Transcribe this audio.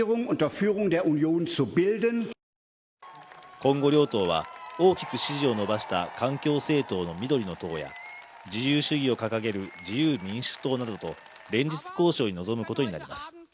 今後両党は大きく支持を伸ばした環境政党の緑の党や自由主義を掲げる自由民主党などと連立交渉に臨むことになります